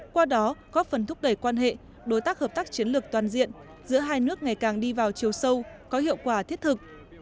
qua đó góp phần thúc đẩy quan hệ đối tác hợp tác chiến lược toàn diện giữa hai nước ngày càng đi vào chiều sâu có hiệu quả thiết thực